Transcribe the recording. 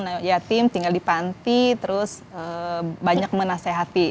nah yatim tinggal di panti terus banyak menasehati